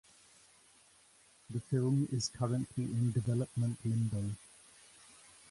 The film is currently in development limbo.